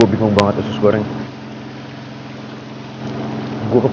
tapi lo mau denger kan omongan gue